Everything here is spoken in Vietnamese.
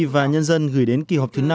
và nhân dân gửi đến kỳ họp thứ năm